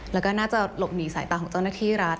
แล้วก็น่าจะหลบหนีสายตาของเจ้าหน้าที่รัฐ